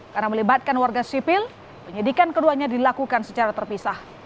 karena melibatkan warga sipil penyidikan keduanya dilakukan secara terpisah